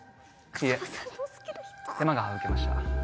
いえ手間が省けました。